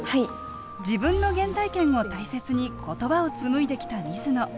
自分の原体験を大切に言葉を紡いできた水野。